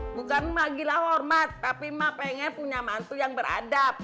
bukan magilah hormat tapi ma pengen punya mantu yang beradab